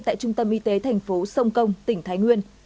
tại trung tâm y tế thành phố sông công tỉnh thái nguyên